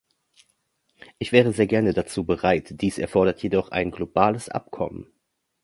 Ich wäre sehr gerne dazu bereit, dies erfordert jedoch ein globales Abkommen.